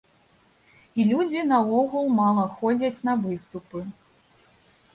І людзі наогул мала ходзяць на выступы.